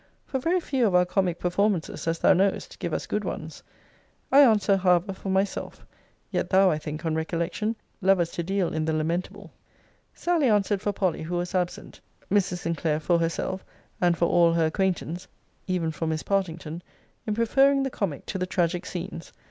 For very few of our comic performances, as thou knowest, give us good ones. I answer, however, for myself yet thou, I think, on recollection, lovest to deal in the lamentable. Sally answered for Polly, who was absent; Mrs. Sinclair for herself, and for all her acquaintance, even for Miss Partington, in preferring the comic to the tragic scenes.